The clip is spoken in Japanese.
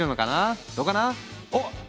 おっ！